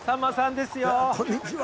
こんにちは。